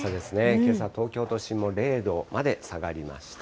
けさ、東京都心も０度まで下がりました。